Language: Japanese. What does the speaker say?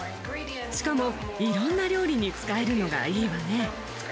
しかもいろんな料理に使えるのがいいわね。